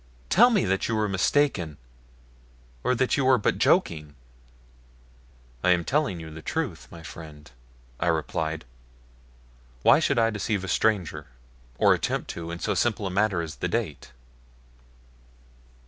Tell me that you are mistaken, or that you are but joking." "I am telling you the truth, my friend," I replied. "Why should I deceive a stranger, or attempt to, in so simple a matter as the date?"